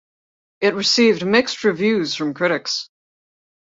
It received mixed reviews from critics.